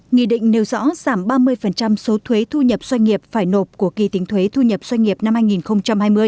nghị định nêu rõ giảm ba mươi số thuế thu nhập doanh nghiệp phải nộp của kỳ tính thuế thu nhập doanh nghiệp năm hai nghìn hai mươi